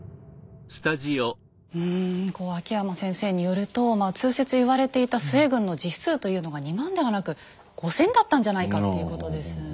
うんこう秋山先生によるとまあ通説言われていた陶軍の実数というのが２万ではなく５，０００だったんじゃないかっていうことですよね。